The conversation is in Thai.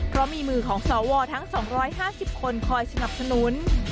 เพราะมีมือของสวทั้ง๒๕๐คนคอยสนับสนุน